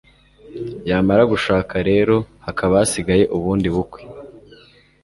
yamara gushaka rero hakaba hasigaye ubundi bukwe